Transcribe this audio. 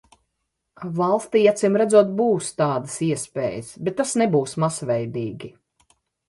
Valstij acīmredzot būs tādas iespējas, bet tas nebūs masveidīgi.